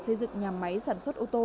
xây dựng nhà máy sản xuất ô tô